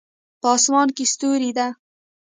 په اسمان کې ستوری ده